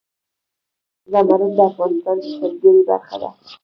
زمرد د افغانستان د سیلګرۍ برخه ده.